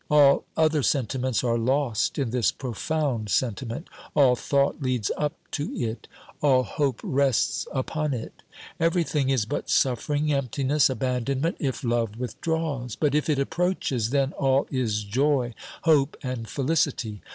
All other sentiments are lost in this profound sentiment, all thought leads up to it, all hope rests upon it. Everything is but suffering, emptiness, abandonment, if love withdraws ; but if it approaches, then all is joy, hope and felicity.